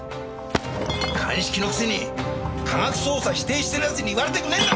鑑識のくせに科学捜査否定してるやつに言われたくねえんだ！